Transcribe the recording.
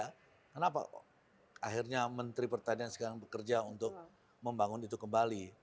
karena apa akhirnya menteri pertanian sekarang bekerja untuk membangun itu kembali